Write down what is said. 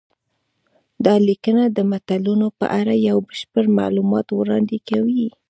دا لیکنه د متلونو په اړه یو بشپړ معلومات وړاندې کوي